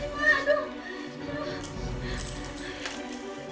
ternyata ibu beli what